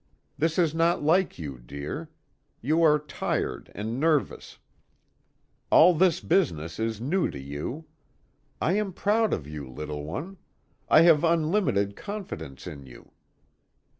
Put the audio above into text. This is not like you, dear. You are tired and nervous. All this business is new to you. I am proud of you, little one. I have unlimited confidence in you.